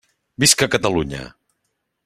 Visca Catalunya!